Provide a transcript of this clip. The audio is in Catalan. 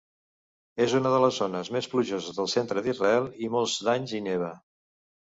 És una de les zones més plujoses del centre d'Israel, i molts d'anys hi neva.